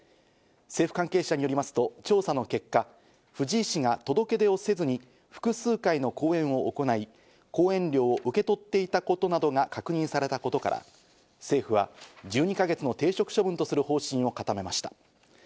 政府関係者によりますと調査の結果、藤井氏が届け出をせずに複数回の講演を行い講演料を受け取っていたことなどが確認されたことから、政府は１２か月の停職処分とする方針を固めました。